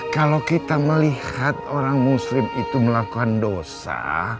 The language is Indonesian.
kalau kita melihat orang muslim itu melakukan dosa